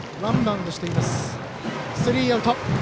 スリーアウト。